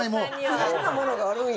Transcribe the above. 不変なものがあるんや。